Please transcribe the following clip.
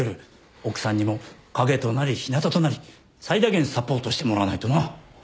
奥さんにも陰となり日なたとなり最大限サポートしてもらわないとな。